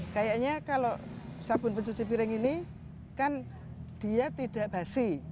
kayaknya kalau sabun pencuci piring ini kan dia tidak basi